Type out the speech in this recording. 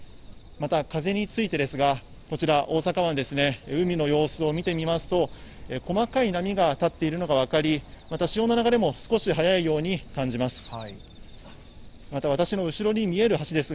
また、風についてですが、こちら、大阪湾ですね、海の様子を見てみますと、細かい波が立っているのが分かり、また潮の流れも少し速いように感じます。